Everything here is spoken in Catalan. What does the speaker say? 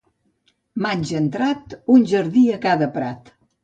Maig entrat, un jardí a cada prat.